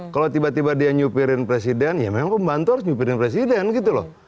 kalau tiba tiba dia nyupirin presiden ya memang pembantu harus nyupirin presiden gitu loh